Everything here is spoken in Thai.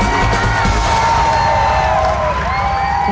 เท่าสาร๑๐๐กิโลกรัมครับ